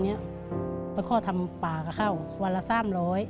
เอาข้อทำป่ากระเข้าวันละ๓๐๐บาท